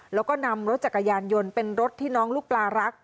แล้วก็นำรถจักรยานยนต์เป็นรถที่น้องลูกปลารัก